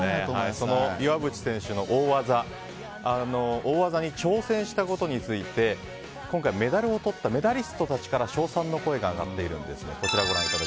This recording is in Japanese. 岩渕選手が大技に挑戦したことについて今回、メダルをとったメダリストたちから称賛の声が上がっています。